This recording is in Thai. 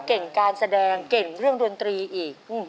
เก่งการแสดงเก่งเรื่องดนตรีอีก